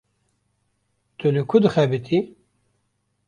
Tu li ku dixebitî?